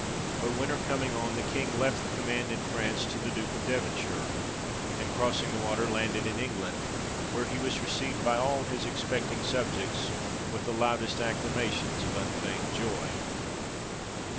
But winter coming on, the King left the command in France to the Duke of Devon shire ; and crossing the water, landed in England ; where he was received by all his expecting subjects with the loudest acclamations of unfeigned joy.